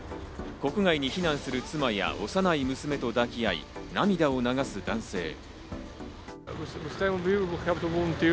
国外に避難する妻や幼い娘と抱き合い、涙を流す男性。